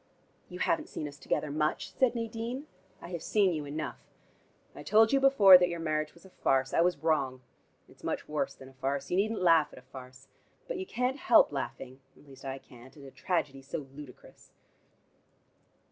"You haven't seen us together much," said Nadine. "I have seen you enough: I told you before that your marriage was a farce. I was wrong. It's much worse than a farce. You needn't laugh at a farce. But you can't help laughing, at least I can't, at a tragedy so ludicrous."